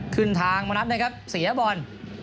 ขึ้นทางมณัฐนะครับเสียบอล